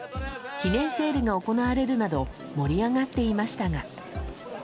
記念セールが行われるなど盛り上がっていましたが。